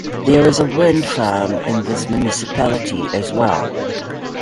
There is a wind farm in this municipality as well.